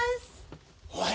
おい。